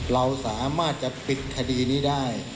เราสามารถจะปิดคดีนี้ได้